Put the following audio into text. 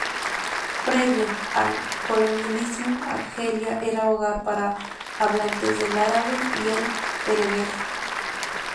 Previo al colonialismo, Argelia era hogar para hablantes del árabe y el bereber.